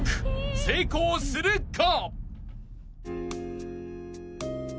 ［成功するか！？］